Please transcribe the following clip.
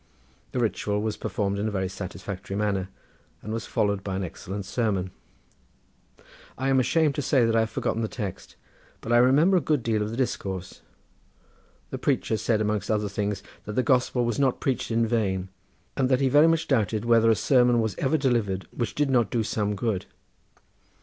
The ritual was performed in a very satisfactory manner and was followed by an excellent sermon. I am ashamed to say that I have forgot the text, but I remember a good deal of the discourse. The preacher said amongst other things that the Gospel was not preached in vain, and that he very much doubted whether a sermon was ever delivered which did not do some good.